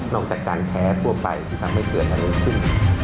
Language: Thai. นอกจากการแพ้ทั่วไปที่ทำให้เกิดอันนั้นขึ้น